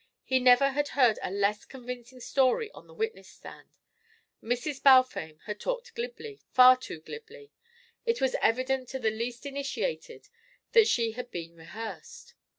He never had heard a less convincing story on the witness stand. Mrs. Balfame had talked glibly, far too glibly. It was evident to the least initiated that she had been rehearsed.